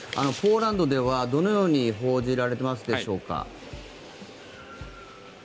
ポーランドではどのように報じられていますでしょうか。